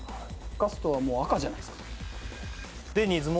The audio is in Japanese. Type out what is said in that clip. ガストはもう赤じゃないっすかデニーズも？